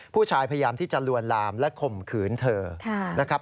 พยายามที่จะลวนลามและข่มขืนเธอนะครับ